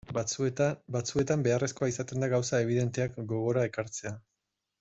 Batzuetan beharrezkoa izaten da gauza ebidenteak gogora ekartzea.